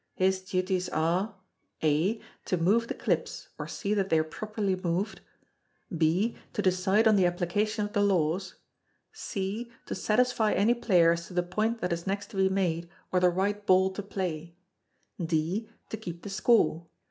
His duties are: (a) To move the clips, or see that they are properly moved; (b) to decide on the application of the laws; (c) to satisfy any player as to the point that is next to be made, or the right ball to play; (d) to keep the score.